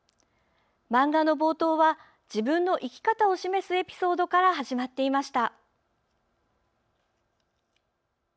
漫画の冒頭は自分の生き方を示すエピソードから始まっていました。